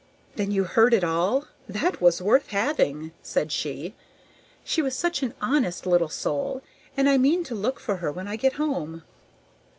"Then you heard it all. That was worth having!" said she. "She was such an honest little soul, and I mean to look for her when I get home."